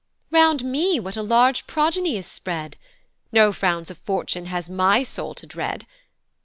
"Round me what a large progeny is spread! "No frowns of fortune has my soul to dread.